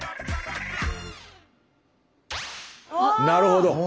なるほど！